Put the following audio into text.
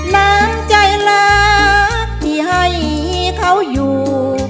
น้ำใจรักที่ให้เขาอยู่